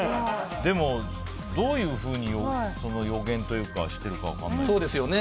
でも、どういうふうに予言というかしてるか分かんない。